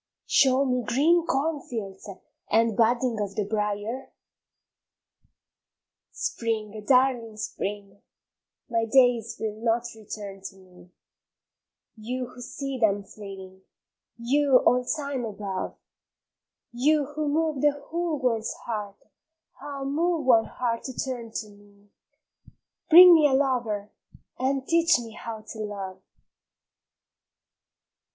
Show me green cornfields and budding of the briar? Spring, darling Spring, my days will not return to me, You who see them fleeting, you, all time above, You who move the whole world's heart, ah move one heart to turn to me, Bring me a lover, and teach me how to love!